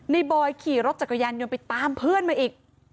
บอยขี่รถจักรยานยนต์ไปตามเพื่อนมาอีก